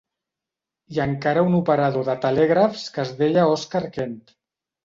I encara un operador de telègrafs que es deia Oscar Kent.